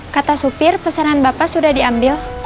kata supir pesanan bapak sudah diambil